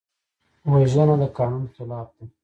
وژنه د قانون خلاف ده